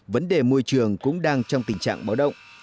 vấn đề môi trường cũng đang trong tình trạng báo động